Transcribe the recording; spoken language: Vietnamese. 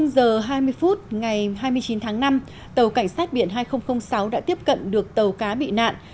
vào lúc hai mươi h hai mươi phút ngày hai mươi chín tháng năm tàu cảnh sát biển hai nghìn sáu đã tiếp cận được tàu cá bị nạn